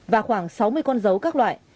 và khoảng sáu mươi con dấu các loại